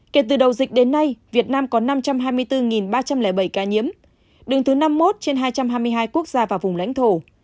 kể từ đầu dịch đến nay việt nam có năm trăm hai mươi bốn ba trăm linh bảy ca nhiễm đứng thứ năm mươi một trên hai trăm hai mươi hai quốc gia và vùng lãnh thổ